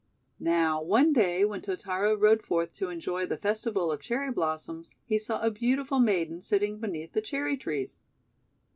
Now one day when Totaro rode forth to enjoy the festival of Cherry blossoms, he saw a beau tiful maiden sitting beneath the Cherry trees.